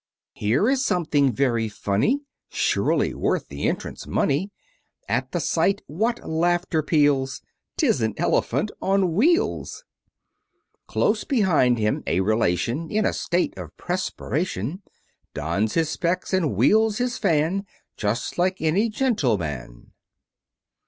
Here is something very funny, Surely worth the entrance money; At the sight what laughter peals! 'Tis an Elephant on wheels! Close behind him a relation, In a state of perspiration, Dons his specs, and wields his fan Just like any gentleman.